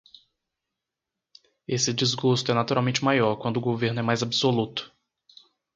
Esse desgosto é naturalmente maior quando o governo é mais absoluto.